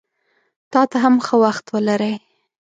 تاته هم ښه وخت ولرې!